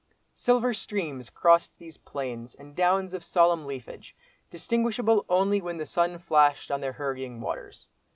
Silver streams crossed these plains and downs of solemn leafage, distinguishable only when the sun flashed on their hurrying waters.